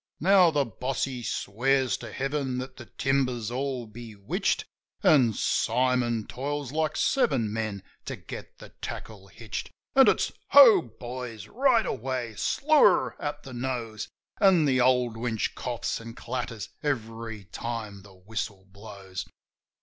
Now the boss he swears to heaven that the timber's all bewitched, An' Simon toils like seven men to get the tackle hitched. An' it's: Ho, boys! Right away! Slew her at the nose! An' the old winch coughs an' clatters every time the whistle blows.